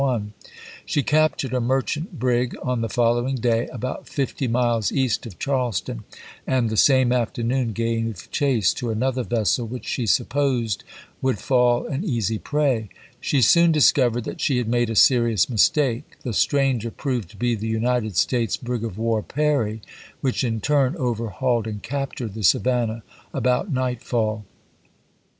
She captured a merchant brig on the following day about fifty miles east of Charles ton, and the same afternoon gave chase to another vessel, which she supposed would fall an easy prey. She soon discovered that she had made a serious mistake; the stranger proved to be the United States brig of war Perry ^ which in turn overhauled and captured the Savannah about nightfall.